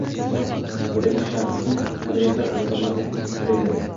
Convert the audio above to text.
Quyidagi shaxsiy qadriyatlar insonlarda ko’p uchraydi